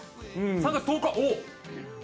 ３月１０日？